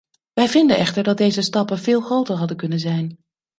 Wij vinden echter dat deze stappen veel groter hadden kunnen zijn.